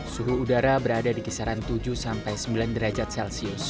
suhu udara berada di kisaran tujuh sampai sembilan derajat celcius